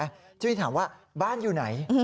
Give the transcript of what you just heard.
เจ้าหน้าที่ถามว่าบ้านอยู่ไหน